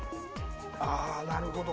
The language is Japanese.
あなるほど。